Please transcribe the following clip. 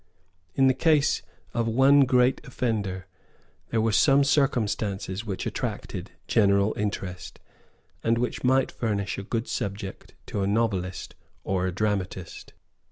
In the case of one great offender there were some circumstances which attracted general interest, and which might furnish a good subject to a novelist or a dramatist.